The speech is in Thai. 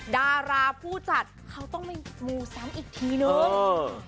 ดาราผู้จัดเขาต้องไม่มูซ้ำอีกทีนึง